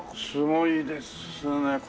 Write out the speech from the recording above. すごいですね。